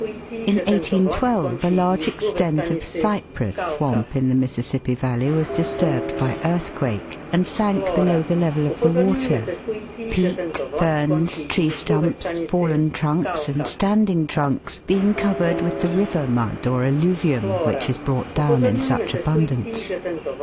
In 1812 a large extent of " cypress swamp " in the Mississippi valley was disturbed by earthquake, and sank below the level of the water, peat, ferns, tree stumps, fallen trunks, and standing trunks being covered with the river mud or alluvium, which is brought down in such abundance.